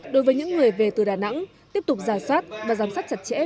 đối với những người về từ đà nẵng tiếp tục giả soát và giám sát chặt chẽ